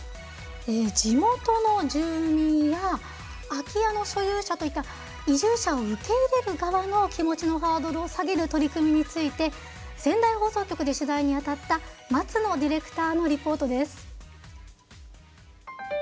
地元の住民や空き家の所有者といった移住者を受け入れる側の気持ちのハードルを下げる取り組みについて仙台放送局で取材に当たった松野ディレクターのリポートです。